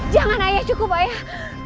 jangan ayah cukup ayah